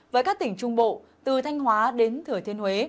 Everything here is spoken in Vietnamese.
với các tỉnh trung bộ từ thanh hóa đến thừa thiên huế